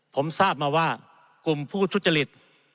ผมทราบมาว่ากลุ่มผู้ทุจริต